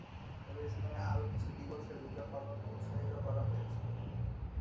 তবে ইসলামের আরো কিছু দিবসে রোজা পালনে উৎসাহিত করা হয়েছে।